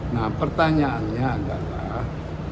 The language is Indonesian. nah pertanyaannya adalah